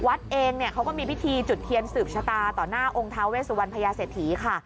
วัดเองเนี่ยเขาก็มีพิธีจุดเทียนสืบชะตาต่อหน้าองค์ท้าเวสุวรรณพญาเศรษฐีค่ะ